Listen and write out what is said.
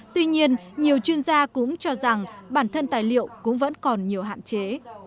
tuy nhiên nhiều chuyên gia cũng cho rằng bản thân tài liệu cũng vẫn còn nhiều hạn chế